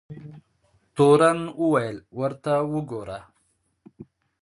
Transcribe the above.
تورن وویل ورته وګوره.